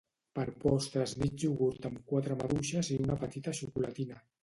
Per postres mig iogurt amb quatre maduixes i una petita xocolatina